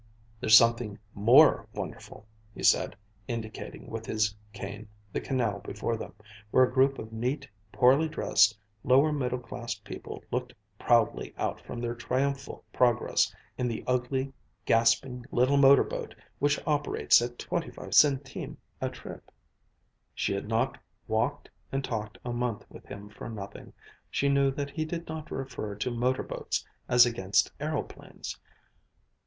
_" "There's something more wonderful!" he said, indicating with his cane the canal before them, where a group of neat, poorly dressed, lower middle class people looked proudly out from their triumphal progress in the ugly, gasping little motor boat which operates at twenty five centimes a trip. She had not walked and talked a month with him for nothing. She knew that he did not refer to motor boats as against aëroplanes.